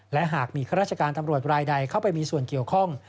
และหากมีข้าราชการตำรวจรายใดเข้าไปมีส่วนเกี่ยวข้อง